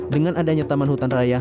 dengan adanya taman hutan raya